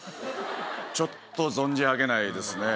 ちょっと存じ上げないですね。